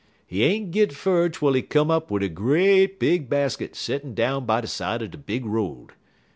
"He ain't git fur twel he come up wid a great big basket settin' down by de side er de big road.